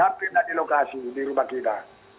tapi tidak di lokasi di rumah kita